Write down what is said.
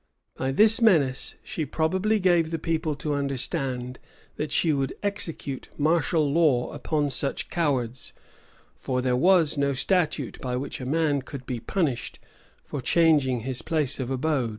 [*] By this menace, she probably gave the people to understand, that she would execute martial law upon such cowards; for there was no statute by which a man could be punished for changing his place of abode.